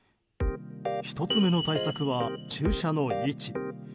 １つ目の対策は駐車の位置。